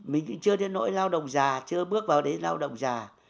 mình cũng chưa đến nỗi lao động già chưa bước vào đấy lao động già